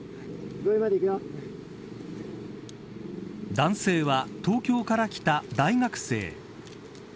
男性は東京から来た大学生。